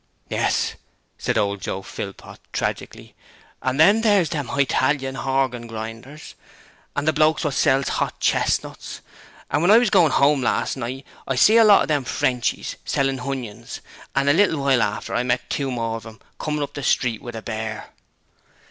'Yes,' said old Joe Philpot, tragically, 'and then thers all them Hitalian horgin grinders, an' the blokes wot sells 'ot chestnuts; an' wen I was goin' 'ome last night I see a lot of them Frenchies sellin' hunions, an' a little wile afterwards I met two more of 'em comin' up the street with a bear.'